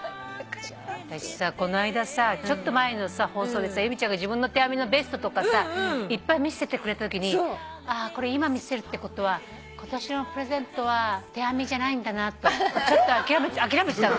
私さこないださちょっと前の放送でさ由美ちゃんが自分の手編みのベストとかさいっぱい見せてくれたときに「これ今見せるってことは今年のプレゼントは手編みじゃないんだな」とちょっと諦めてたの。